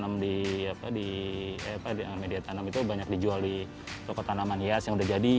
di media tanam itu banyak dijual di toko tanaman hias yang sudah jadi